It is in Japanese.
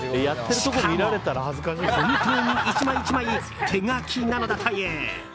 しかも、本当に１枚１枚手書きなのだという。